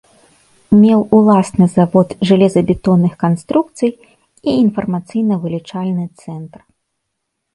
Меў уласны завод жалезабетонных канструкцый і інфармацыйна-вылічальны цэнтр.